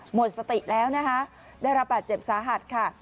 หมดสติแล้วนะคะได้รับบาดเจ็บสาหัสค่ะ